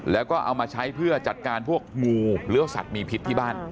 แล้วก็เอามาใช้เพื่อจัดการพวกงูหรือว่าสัตว์มีพิษที่บ้าน